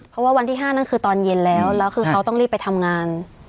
เพราะว่าวันที่๕นั่นคือตอนเย็นแล้วแล้วคือเขาต้องรีบไปทำงาน